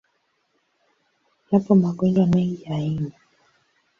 Yapo magonjwa mengi ya ini.